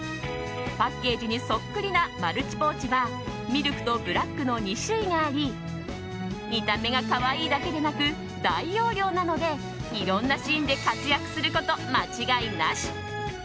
パッケージにそっくりなマルチポーチはミルクとブラックの２種類があり見た目が可愛いだけでなく大容量なので、いろんなシーンで活躍すること間違いなし！